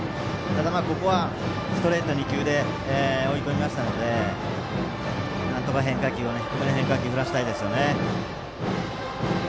ここはストレート２球で追い込みましたのでなんとか低めの変化球を振らせたいですよね。